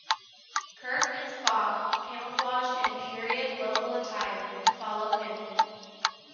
Kirk and Spock, camouflaged in period local attire, follow him.